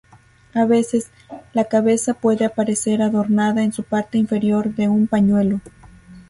A veces, la cabeza puede aparecer adornada en su parte inferior de una pañuelo.